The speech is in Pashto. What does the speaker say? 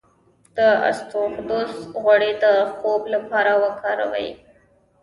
د اسطوخودوس غوړي د خوب لپاره وکاروئ